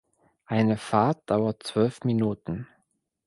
Eine Fahrt dauert zwölf Minuten.